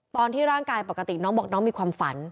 ตอนที่ร่างกายปกติน้องบอกน้องมีความฝัน